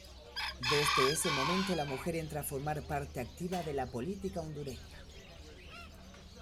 Desde ese momento la mujer entra a formar parte activa de la política hondureña.